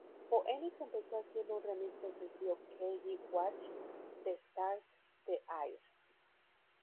Phoenix empezó haciendo un remix del sencillo "Kelly Watch the Stars" de "Air".